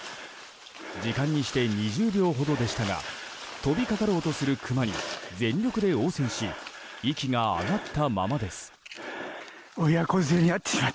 時間にして２０秒ほどでしたが飛びかかろうとするクマに全力で応戦し息が上がったままです。